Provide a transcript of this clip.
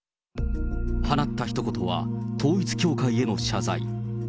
放ったひと言は、統一教会への謝罪。